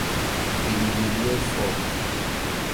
قیلی ویلی صبح